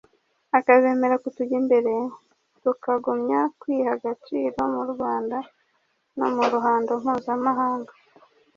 akazemera kutujya imbere tukagumya kwiha agaciro mu Rwanda no mu ruhando mpuzamahanga